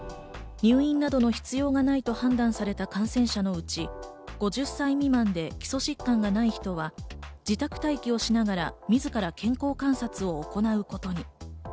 入院などの必要がないと判断された感染者のうち５０歳未満で基礎疾患がない人は自宅待機をしながら自ら健康観察を行うことに。